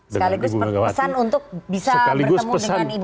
sekaligus pesan untuk bisa bertemu dengan ibu